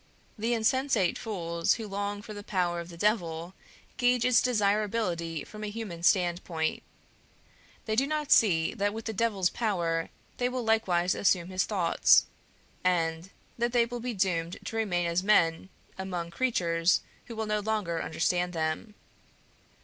The insensate fools who long for the power of the Devil gauge its desirability from a human standpoint; they do not see that with the Devil's power they will likewise assume his thoughts, and that they will be doomed to remain as men among creatures who will no longer understand them.